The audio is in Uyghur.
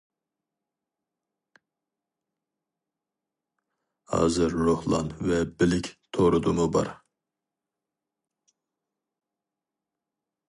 ھازىر روھلان ۋە بىلىك تورىدىمۇ بار.